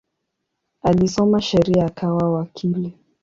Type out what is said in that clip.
Alisoma sheria akawa wakili.